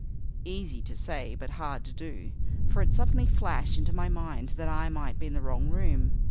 Easy to say but hard to do, for it suddenly flashed into my mind that I might be in the wrong room.